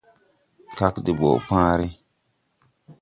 Kagn de ɓɔʼ pããre.